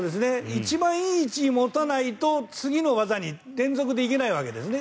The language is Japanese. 一番いい位置に持たないと次の技に連続でいけないわけですね。